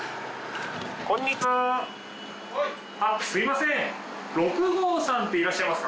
すいません！